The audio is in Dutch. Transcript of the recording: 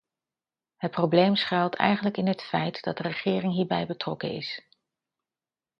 Het probleem schuilt eigenlijk in het feit dat de regering hierbij betrokken is.